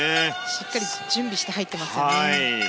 しっかり準備して入ってますね。